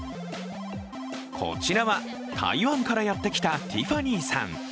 こちらは台湾からやってきたティファニーさん。